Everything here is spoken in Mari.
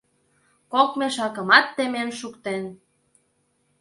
Кок мешакымат темен шуктен.